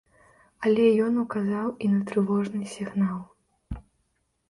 Але ён указаў і на трывожны сігнал.